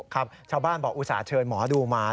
ครับชาวบ้านบอกอุตส่าห์เชิญหมอดูมา